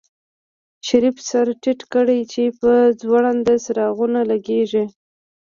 شريف سر ټيټ کړ چې په ځوړند څراغ ونه لګېږي.